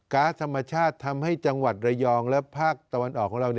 ๊าซธรรมชาติทำให้จังหวัดระยองและภาคตะวันออกของเรา